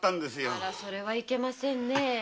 それはいけませんねぇ。